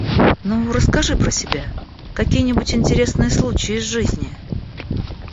Ну, расскажи про себя. Какие-нибудь интересные случаи из жизни!